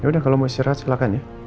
ya udah kalau mau istirahat silahkan ya